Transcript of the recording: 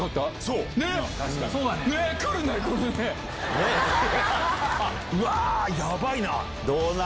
うわー、やばいな。